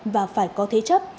và phải có thế chấp